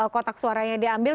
kotak suaranya diambil